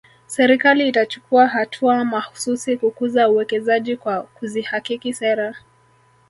Serikali itachukua hatua mahsusi kukuza uwekezaji kwa kuzihakiki sera